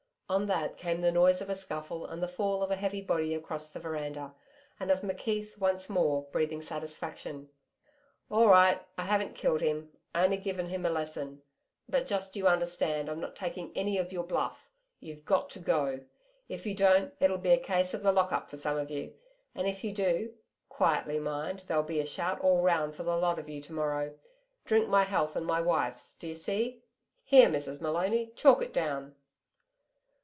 On that, came the noise of a scuffle and the fall of a heavy body across the veranda. And of McKeith, once more breathing satisfaction: 'All right! I haven't killed him only given him a lesson .... But just you understand I'm not taking any of your bluff. You've GOT TO GO. If you don't, it'll be a case of the lock up for some of you. And if you do quietly mind, there'll be a shout all round for the lot of you to morrow. Drink my health and my wife's, d'ye see? Here Mrs Maloney, chalk it down.'